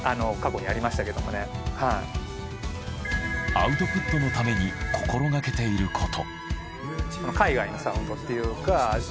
アウトプットのために心がけていること。